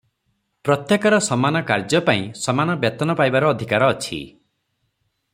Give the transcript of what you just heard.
ପ୍ରତ୍ୟେକର ସମାନ କାର୍ଯ୍ୟପାଇଁ ସମାନ ବେତନ ପାଇବାର ଅଧିକାର ଅଛି ।